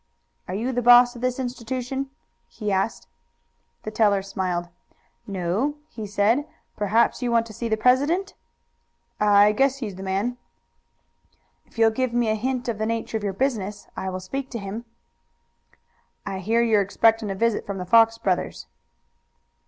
"Are you the boss of this institution?" he asked. The teller smiled. "No," he said. "Perhaps you want to see the president?" "I guess he's the man." "If you will give me a hint of the nature of your business I will speak to him." "I hear you're expectin' a visit from the Fox brothers."